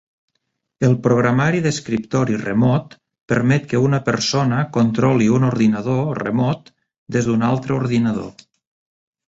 El programari d'escriptori remot permet que una persona controli un ordinador remot des d'un altre ordinador.